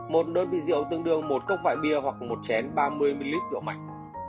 một đơn vị rượu tương đương một cốc vải bia hoặc một chén ba mươi ml rượu mạnh